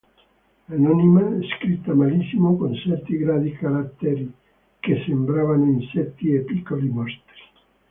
Anonima, scritta malissimo, con certi grandi caratteri che sembravano insetti e piccoli mostri.